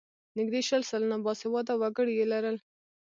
نږدې شل سلنه باسواده وګړي یې لرل.